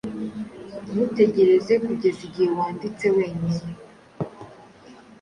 Ntutegereze kugeza igihe wanditse wenyine.